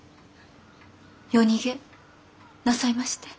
夜逃げなさいまして。